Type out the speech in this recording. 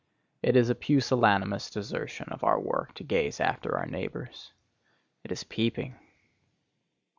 It is a pusillanimous desertion of our work to gaze after our neighbors. It is peeping.